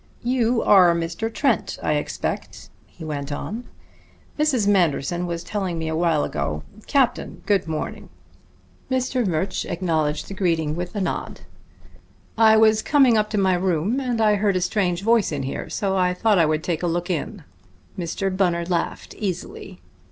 "You are Mr. Trent, I expect," he went on. "Mrs. Manderson was telling me a while ago. Captain, good morning." Mr. Murch acknowledged the greeting with a nod. "I was coming up to my room, and I heard a strange voice in here, so I thought I would take a look in." Mr. Bunner laughed easily.